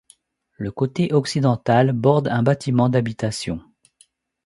Le côté occidental borde un bâtiment d'habitation.